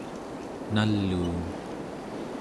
naluun